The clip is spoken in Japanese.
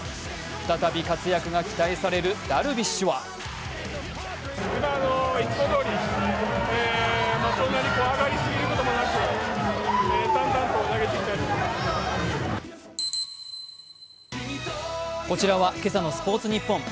再び活躍が期待されるダルビッシュはこちらは今朝の「スポーツニッポン」。